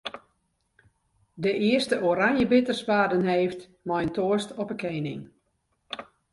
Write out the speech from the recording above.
De earste oranjebitters waarden heefd mei in toast op 'e kening.